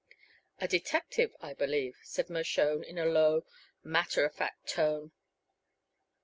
"A detective, I believe," said Mershone, in a low, matter of fact tone.